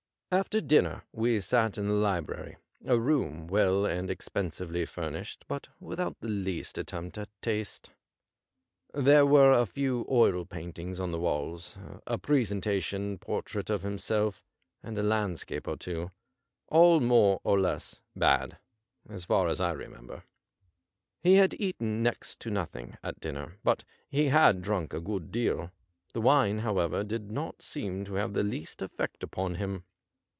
After dinner we sat in the library, a room well and expensively furnished, but with out the least attempt at taste. There were a few oil paintings on the walls, apresentationportraitof himself, and a landscape or two — all more or less bad, as far as I remember. He had eaten next to nothing at dinner, but he had drunk a good deal ; the wine, however, did not seem to have the least effect upon him.